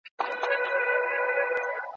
زه له اوښکو سره ولاړم پر ګرېوان غزل لیکمه